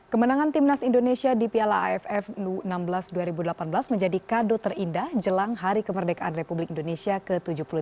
kemenangan timnas indonesia di piala aff u enam belas dua ribu delapan belas menjadi kado terindah jelang hari kemerdekaan republik indonesia ke tujuh puluh tiga